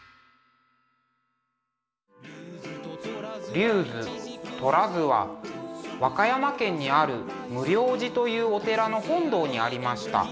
「龍図」「虎図」は和歌山県にある無量寺というお寺の本堂にありました。